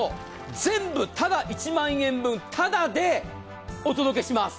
全部１万円分、ただでお届けします。